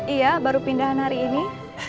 iya baru pindahan hari ini